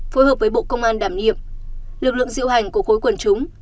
phối hợp với bộ công an đảm nhiệm lực lượng diễu hành của khối quần chúng